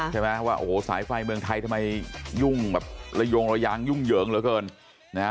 ใช่ไหมว่าโอ้โหสายไฟเมืองไทยทำไมยุ่งแบบระยงระยางยุ่งเหยิงเหลือเกินนะฮะ